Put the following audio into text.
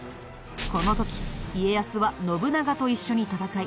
この時家康は信長と一緒に戦い